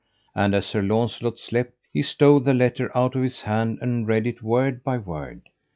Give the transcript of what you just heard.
And as Sir Launcelot slept he stole the letter out of his hand, and read it word by word.